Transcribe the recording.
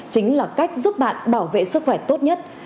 chính là cách giúp bạn bảo vệ sức khỏe tốt nhất